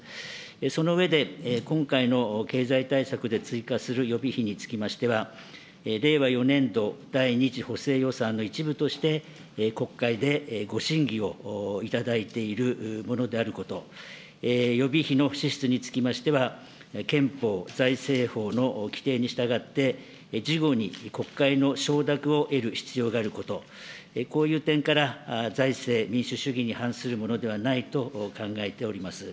その上で、今回の経済対策で追加する予備費につきましては、令和４年度第２次補正予算の一部として、国会でご審議をいただいているものであること、予備費の支出につきましては、憲法財政法の規定に従って、事後に国会の承諾を得る必要があること、こういう点から財政、民主主義に反するものではないと考えております。